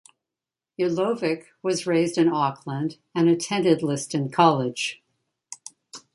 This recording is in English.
Urlovic was raised in Auckland and attended Liston College.